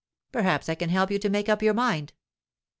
Perhaps I can help you to make up your mind.